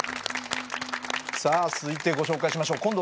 さあ続いてご紹介しましょう。